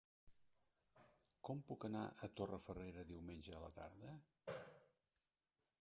Com puc anar a Torrefarrera diumenge a la tarda?